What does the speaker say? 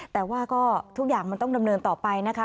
แต่ว่าก็ทุกอย่างมันต้องดำเนินต่อไปนะคะ